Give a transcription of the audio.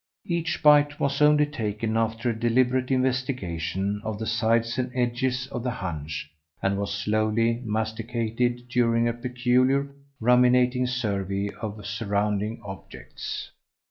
Each bite was only taken after a deliberate investigation of the sides and edges of the hunch, and was slowly masticated during a peculiar ruminating survey of surrounding objects.